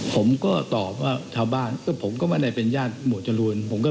ผมก็ตอบว่าชาวบ้านผมก็ไม่ได้เป็นญาติหมวดจรวนผมก็ไม่เห็น